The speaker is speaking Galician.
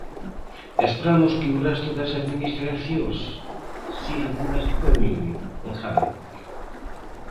E esperamos que o resto das administracións sigan o mesmo camiño, engade.